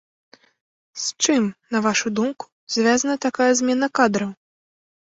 З чым, на вашую думку, звязаная такая змена кадраў?